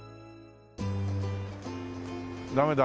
ダメだ。